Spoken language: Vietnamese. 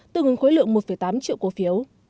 tương ứng khối lượng một tám triệu cộ phi